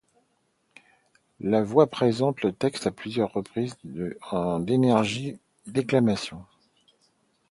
La voix présente le texte à plusieurs reprises en d'énergiques déclamations.